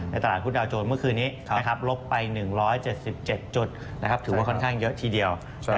ตลาดพุทธดาวโจรเมื่อคืนนี้ลบไป๑๗๗จุดถือว่าค่อนข้างเยอะทีเดียว